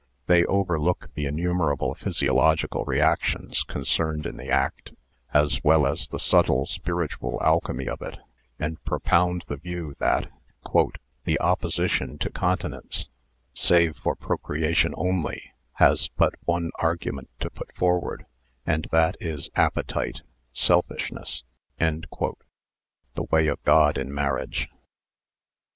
They overlook the innumerable physiological reactions concerned in the act, as well as the subtle spiritual alchemy of it, and propound the view that " the opposition to continence, save for procreation only, has but one argument to put forward, and that is appetite, selfishness." (The Way of God in Marriage.)